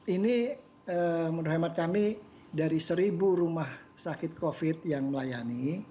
ini menurut hemat kami dari seribu rumah sakit covid yang melayani